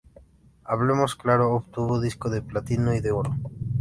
Hablemos claro obtuvo disco de platino y de oro.